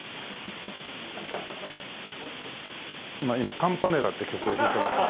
今『カンパネラ』って曲を弾いてます。